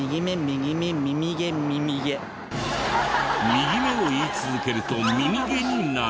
右目を言い続けると耳毛になる。